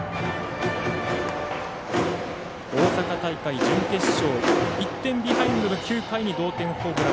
大阪大会準決勝１点ビハインドの９回に同点ホームラン。